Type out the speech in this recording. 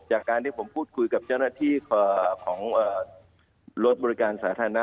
จากการที่ผมพูดคุยกับเจ้าหน้าที่ของรถบริการสาธารณะ